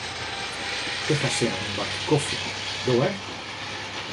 Ik haw sin oan in bakje kofje, do ek?